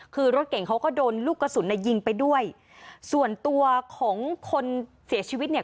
คือรถเก่งเขาก็โดนลูกกระสุนเนี่ยยิงไปด้วยส่วนตัวของคนเสียชีวิตเนี่ย